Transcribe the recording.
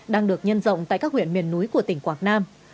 đang được nhân rộng tại các huyện miền núi của tỉnh quảng nam